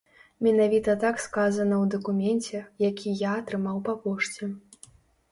Менавіта так сказана ў дакуменце, які я атрымаў па пошце.